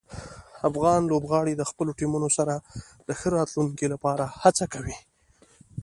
افغان لوبغاړي د خپلو ټیمونو سره د ښه راتلونکي لپاره هڅه کوي.